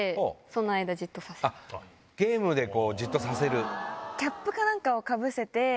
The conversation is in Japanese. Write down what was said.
ゲームでじっとさせる。